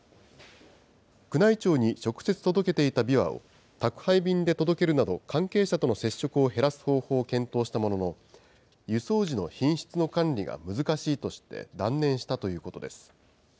宮内庁に直接届けていたびわを宅配便で届けるなど、関係者との接触を減らす方法を検討したものの、輸送時の品質の管理が難しいとして、断念したということです。